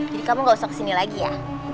jadi kamu gak usah kesini lagi ya